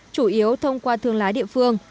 chủ yếu thông qua thương lái địa phương